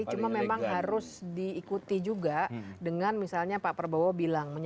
cuma memang harus diikuti juga dengan misalnya pak prabowo bilang